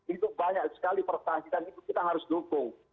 itu banyak sekali pertahankan itu kita harus dukung